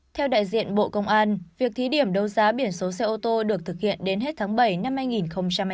theo đại diện bộ công an việc thí điểm đấu giá biển số xe ô tô được thực hiện đến hết tháng bảy năm hai nghìn hai mươi